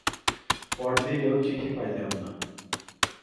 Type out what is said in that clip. পরদিনেও চিঠি পাইল না।